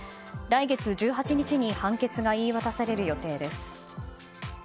来月１８日に判決が言い渡される予定です。